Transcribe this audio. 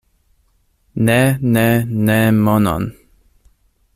Ne, ne, ne monon!